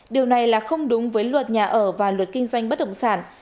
điều này là không đúng với luật nhà ở và luật kinh doanh bất động sản